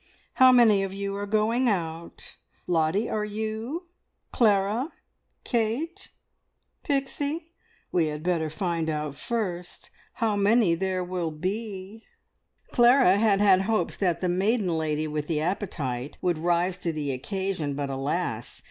How many of you are going out? Lottie, are you? Clara? Kate? Pixie? We had better find out first how many will be here." Clara had had hopes that the maiden lady with the appetite would rise to the occasion, but, alas!